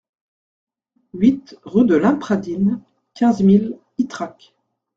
huit rue de l'Impradine, quinze mille Ytrac